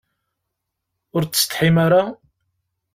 Ur tsetḥim ara?